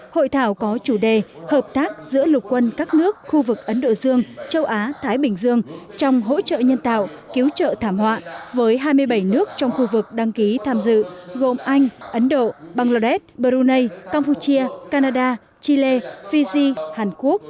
hội thảo có chủ đề hợp tác giữa lục quân các nước khu vực ấn độ dương châu á thái bình dương trong hỗ trợ nhân tạo cứu trợ thảm họa với hai mươi bảy nước trong khu vực đăng ký tham dự gồm anh ấn độ bangladesh brunei campuchia canada chile fiji hàn quốc